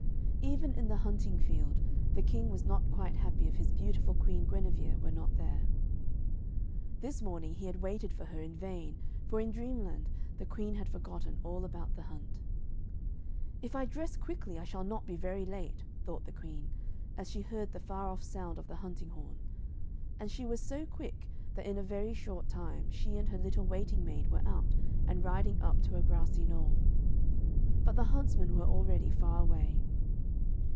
Even in the hunting field, the King was not quite happy if his beautiful Queen Guinevere were not there. This morning he had waited for her in vain, for in dreamland the Queen had forgotten all about the hunt. 'If I dress quickly, I shall not be very late,' thought the Queen, as she heard the far off sound of the hunting horn. And she was so quick that in a very short time she and her little waiting maid were out, and riding up to a grassy knoll. But the huntsmen were already far away.